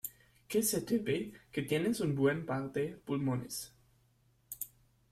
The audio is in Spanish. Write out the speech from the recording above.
que se te ve que tienes un buen par de pulmones.